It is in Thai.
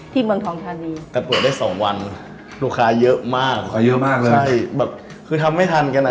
เมืองทองทานีแต่เปิดได้สองวันลูกค้าเยอะมากเขาเยอะมากเลยใช่แบบคือทำไม่ทันกันอ่ะ